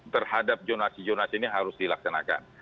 terhadap jonasi jonasi ini harus dilaksanakan